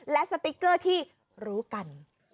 และสติ๊กเกอร์ที่รู้กัน